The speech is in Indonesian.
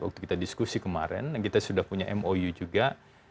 waktu kita diskusi kemarin kita sudah punya mou juga